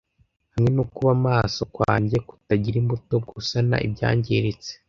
hamwe no kuba maso kwanjye kutagira imbuto gusana ibyangiritse